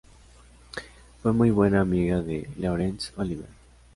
Fue muy buena amiga de Laurence Olivier.